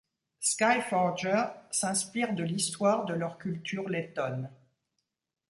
Skyforger s'inspire de l'histoire de leur culture lettone.